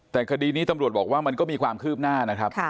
แต่คดีนี้ตำรวจบอกว่ามันก็มีความคืบหน้านะครับ